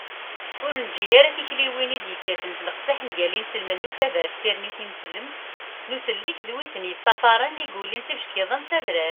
ur neǧǧi ara tikliwin i d-yekkaten s leqseḥ mgal inselmen n ukabar n tirni tineslemt n usellek d wid i ten-yeṭṭafaṛen i yulin s yibeckiḍen s adrar